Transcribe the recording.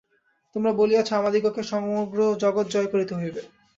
তোমরা বলিয়াছ, আমাদিগকে সমগ্র জগৎ জয় করিতে হইবে।